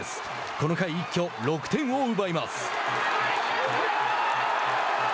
この回、一挙６点を奪います。